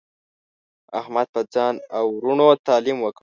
احمد په ځان او ورونو تعلیم وکړ.